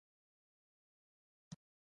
کروندګر د خاورې د مینې بیان دی